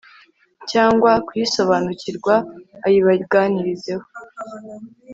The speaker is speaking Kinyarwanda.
cyangwa kuyisobanukirwa ayibaganirizeho